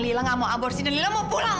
lila gak mau aborsi dan lila mau pulang